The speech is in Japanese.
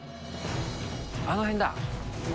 あの辺だ。